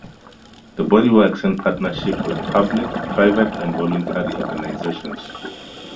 The body works in partnership with public, private and voluntary organisations.